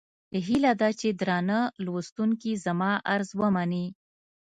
هيله ده چې درانه لوستونکي زما عرض ومني.